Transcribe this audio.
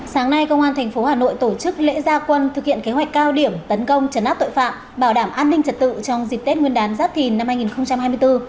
sáng nay công an tp hà nội tổ chức lễ gia quân thực hiện kế hoạch cao điểm tấn công trấn áp tội phạm bảo đảm an ninh trật tự trong dịp tết nguyên đán giáp thìn năm hai nghìn hai mươi bốn